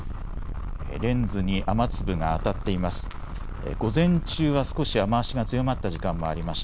レンズに雨粒が当たっています。